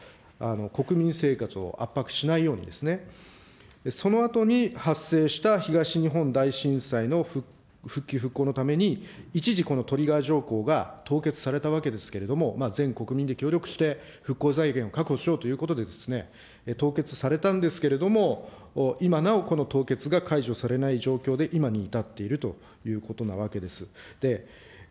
国民生活を圧迫しないように、そのあとに発生した東日本大震災の復旧復興のために、一時、このトリガー条項が凍結されたわけですけれども、全国民で協力して復興財源を確保しようということで、凍結されたんですけれども、今なおこの凍結が解除されない状況で、今に至っているということなわけです。